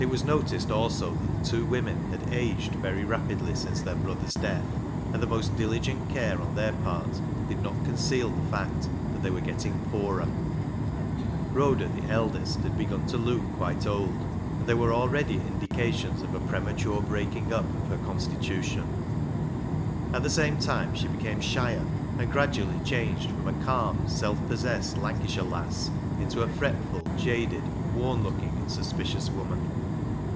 It was noticed also that the two women had aged very rapidly since their brother's death, and the most diligent care on their part did not conceal the fact that they were getting poorer. Rhoda, the eldest, had begun to look quite old, and there were already indications of a pre mature breaking up of her constitution. At the same time she became shyer, and gradually changed from a calm, self possessed Lancashire lass into a fretful, jaded, worn looking and suspicious woman.